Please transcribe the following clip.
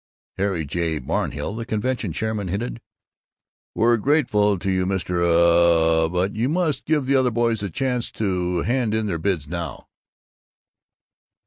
Harry Barmhill, the convention chairman, hinted, "We're grateful to you, Mr. Uh, but you must give the other boys a chance to hand in their bids now."